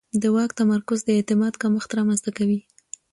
د واک تمرکز د اعتماد کمښت رامنځته کوي